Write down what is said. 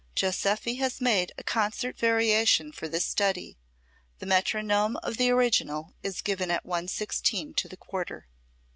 Joseffy has made a concert variation for this study. The metronome of the original is given at 116 to the quarter.